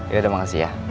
yauda makasih ya